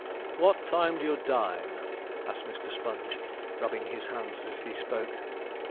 'What time do you dine?' asked Mr. Sponge, rubbing his hands as he spoke.